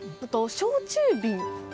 焼酎瓶？